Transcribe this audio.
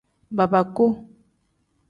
Babaku.